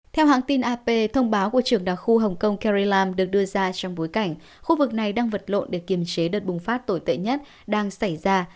theo hãng tin ap thông báo của trưởng đặc khu hồng kông krelam được đưa ra trong bối cảnh khu vực này đang vật lộn để kiềm chế đợt bùng phát tồi tệ nhất đang xảy ra